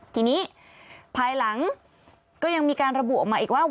ทีนี้ภายหลังก็ยังมีการระบุออกมาอีกว่า